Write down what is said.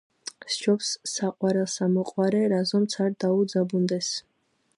სჯობს, საყვარელსა მოყვარე რაზომც არ დაუძაბუნდეს.